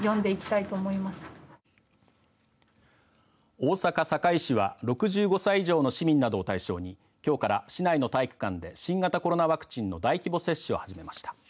大阪、堺市は６５歳以上の市民などを対象にきょうから市内の体育館で新型コロナワクチンの大規模接種を始めました。